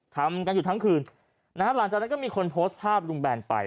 ทำกันอยู่ทั้งคืนนะฮะหลังจากนั้นก็มีคนโพสต์ภาพลุงแบนไป